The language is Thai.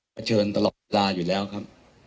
เชิญตลอดเวลาอยู่แล้วครับ